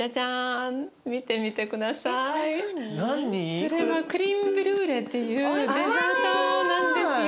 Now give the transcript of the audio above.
それはクリームブリュレっていうデザートなんですよ。